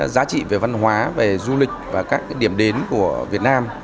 giá trị về văn hóa về du lịch và các điểm đến của việt nam